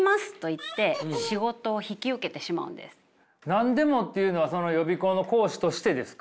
「なんでも」っていうのはその予備校の講師としてですか？